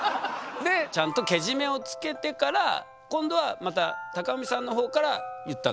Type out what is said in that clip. ちゃんとけじめをつけてから今度はまた貴文さんの方から言ったんですか？